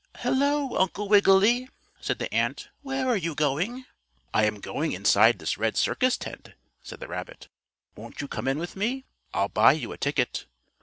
"Hello, Uncle Wiggily," said the ant. "Where are you going?" "I am going inside this red circus tent," said the rabbit. "Won't you come in with me? I'll buy you a ticket."